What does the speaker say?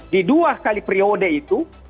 di dua kali periode itu